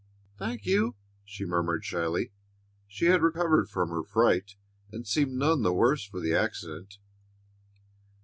"Thank you," she murmured shyly. She had recovered from her fright, and seemed none the worse for the accident.